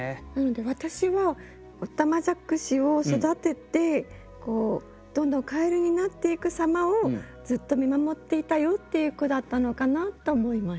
私はおたまじゃくしを育ててどんどんカエルになっていく様をずっと見守っていたよっていう句だったのかなと思いました。